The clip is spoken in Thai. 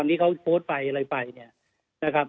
ที่เขาโพสต์ไปอะไรไปเนี่ยนะครับ